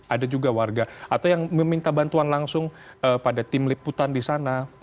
ada juga warga atau yang meminta bantuan langsung pada tim liputan di sana